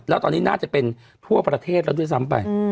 แล้วตอนนี้น่าจะเป็นทั่วประเทศแล้วด้วยซ้ำไป